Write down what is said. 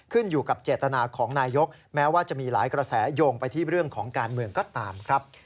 ขึ้นอยู่กับเจตนาของนายกแม้ว่าจะมีหลายกระแสโยงไปที่เรื่องของการเมืองก็ตามครับ